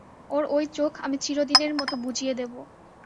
ওর ওই চোখ আমি চিরদিনের মতো বুজিয়ে দেব।